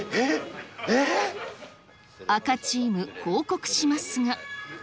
赤チーム、報告しますが。